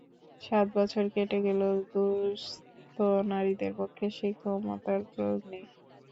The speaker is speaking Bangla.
সাত বছর কেটে গেলেও দুস্থ নারীদের পক্ষে সেই ক্ষমতার প্রয়োগ নেই।